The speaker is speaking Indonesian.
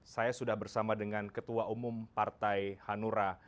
saya sudah bersama dengan ketua umum partai hanura